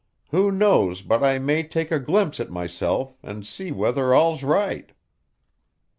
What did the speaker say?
Who knows but I may take a glimpse at myself, and see whether all's right?